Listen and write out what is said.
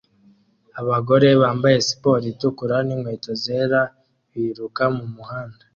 Abagore bambaye siporo itukura ninkweto zera biruka mumuhanda